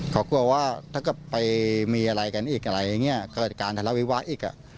เขากลัวว่าถ้าเกิดไปมีอะไรกันอีกอะไรอย่างนี้เกิดการทะเลาวิวาสอีก